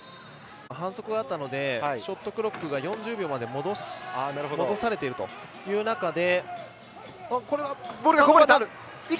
反則があったのでショットクロックが４０秒まで戻されているという中で。